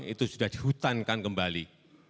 itu sudah dihutankan kembali